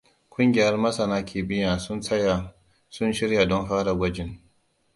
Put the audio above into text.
Kungiyar masana kimiyya sun tsaya, sun shirya don fara gwajin.